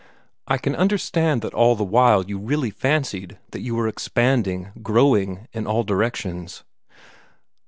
I can understand that all the while you really fancied that you were expanding, growing, in all directions.